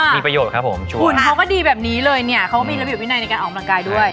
มีประโยชน์ครับผมหุ่นเขาก็ดีแบบนี้เลยเนี่ยเขาก็มีระเบียบวินัยในการออกกำลังกายด้วย